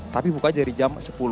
tapi buka dari jam sepuluh